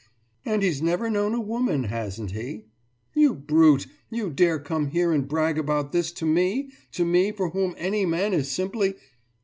»And he's never known a woman, hasn't he? You brute, you dare come here and brag about this to me to me for whom any man is simply....